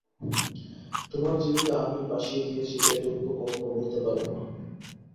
তোমার জীবিকা আমিই ভাসিয়ে দিয়েছি এ দুঃখ কখনো ভুলতে পারব না।